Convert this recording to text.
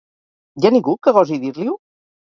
Hi ha ningú que gosi dir-li-ho?